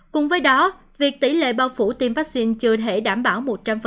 cùng với đó việc tỷ lệ bao phủ tiêm vaccine chưa thể đảm bảo một trăm linh